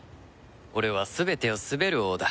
俺は全てを統べる王だ。